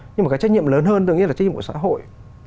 nhưng mà cái trách nhiệm lớn hơn tôi nghĩ là trách nhiệm của xã hội